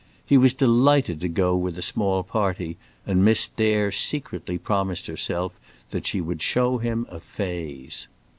He was delighted to go with a small party, and Miss Dare secretly promised herself that she would show him a phase.